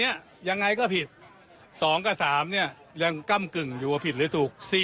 ยังไงก็ผิด๒กับ๓เนี่ยยังก้ำกึ่งอยู่ว่าผิดหรือถูก